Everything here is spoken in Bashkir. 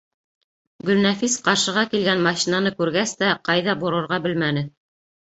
Гөлнәфис ҡаршыға килгән машинаны күргәс тә ҡайҙа борорға белмәне.